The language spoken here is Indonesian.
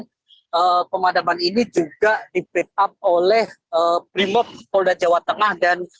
dan pemadaman ini juga di build up oleh primob polda jawa tengah